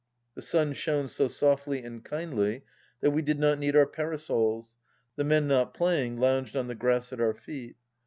The sun shone so softly and kindly that we did not need our parasols. The men not playing lounged on the grass at our feet.